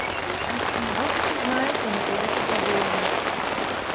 Малку се знае за неговото владеење.